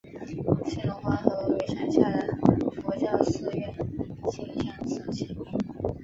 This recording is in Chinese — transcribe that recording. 兴隆观和峨嵋山下的佛教寺院兴善寺齐名。